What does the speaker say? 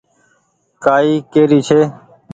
ڪآ ئي ڪهري ڇي